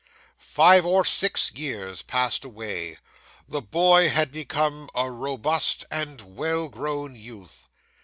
'Five or six years passed away; the boy had become a robust and well grown youth.